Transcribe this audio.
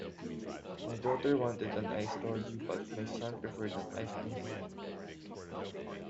My daughter wanted an ice lolly, but my son preferred an ice cream cone